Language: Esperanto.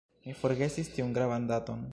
Mi forgesis tiun gravan daton.